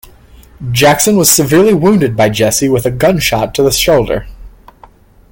Jackson was severely wounded by Jesse with a gunshot to the shoulder.